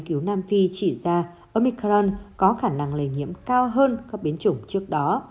cứu nam phi chỉ ra omicron có khả năng lây nhiễm cao hơn các biến chủng trước đó